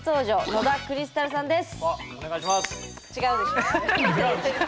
野田クリスタルです。